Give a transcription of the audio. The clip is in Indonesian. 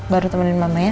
baru temenin mama ya